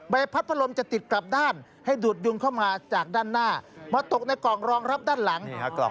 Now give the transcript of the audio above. พัดพลมจะติดกลับด้านให้ดูดยุงเข้ามาจากด้านหน้ามาตกในกล่องรองรับด้านหลัง